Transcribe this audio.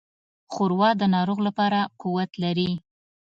ښوروا د ناروغ لپاره قوت لري.